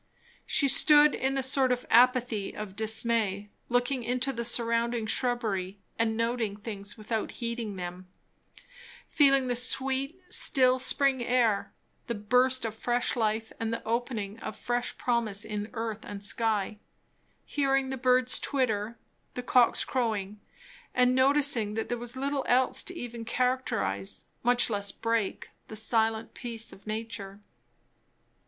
She stood in a sort of apathy of dismay, looking into the surrounding shrubbery and noting things without heeding them; feeling the sweet, still spring air, the burst of fresh life and the opening of fresh promise in earth and sky; hearing the birds twitter, the cocks crowing, and noticing that there was little else to even characterize, much less break, the silent peace of nature.